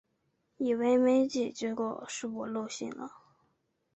以为没寄，结果是我漏信了